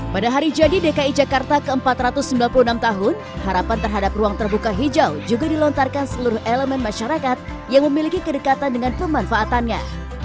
pada hari jadi dki jakarta ke empat ratus sembilan puluh enam tahun harapan terhadap ruang terbuka hijau juga dilontarkan seluruh elemen masyarakat yang memiliki kedekatan dengan pemanfaatannya